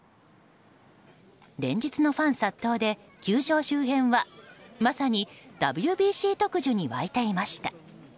連日のファン殺到で球場周辺はまさにＷＢＣ特需に沸いていました。